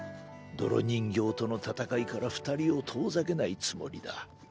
泥人形との戦いから二人を遠ざけないつもりだ。